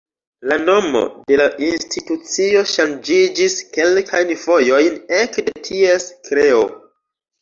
La nomo de la institucio ŝanĝiĝis kelkajn fojojn ekde ties kreo.